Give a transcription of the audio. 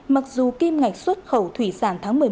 mặc dù kim ngạch xuất khẩu thủy sản tháng một mươi một